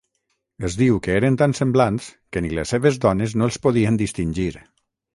Es diu que eren tan semblants que ni les seves dones no els podien distingir.